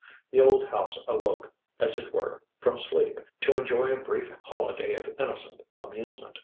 The old house awoke, as it were, from sleep, to enjoy a brief holiday of innocent amusement.